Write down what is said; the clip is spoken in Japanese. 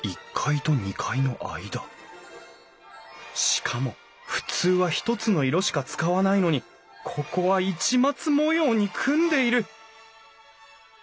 しかも普通は一つの色しか使わないのにここは市松模様に組んでいる！